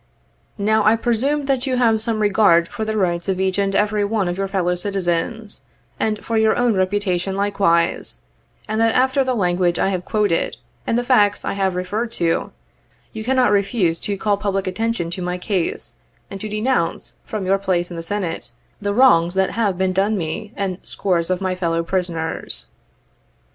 Now I presume that you have some regard for the rights of each and every one of your fellow citizens, and for your own reputation likewise, and that after the language I have quoted, and the facts I have referred to, you cannot refuse to call public attention to my case, and to denounce, from your place in the Senate, the wrongs that have been done me and scores of my fellow prisoners.